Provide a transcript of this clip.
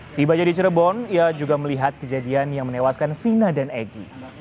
setibanya di cirebon ia juga melihat kejadian yang menewaskan vina dan egy